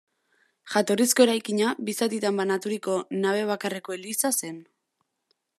Jatorrizko eraikina bi zatitan banaturiko nabe bakarreko eliza zen.